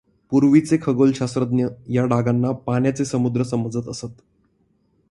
पूर्वीचे खगोलशास्त्रज्ञ या डागांना पाण्याचे समुद्र समजत असत.